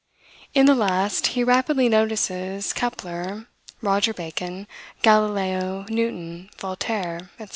In the last, he rapidly notices Kepler, Roger Bacon, Galileo, Newton, Voltaire, etc.